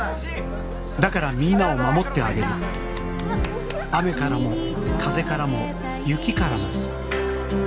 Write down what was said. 「だからみんなを守ってあげる」「雨からも風からも」「雪からも」